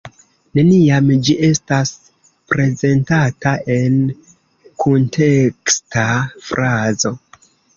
Neniam ĝi estas prezentata en kunteksta frazo.